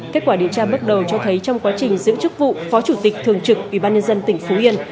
kết quả điều tra bước đầu cho thấy trong quá trình giữ chức vụ phó chủ tịch thường trực ubnd tỉnh phú yên